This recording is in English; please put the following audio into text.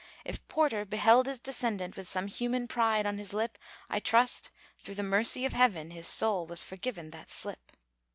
If Porter beheld his descendant, With some human pride on his lip, I trust, through the mercy of Heaven, His soul was forgiven that slip.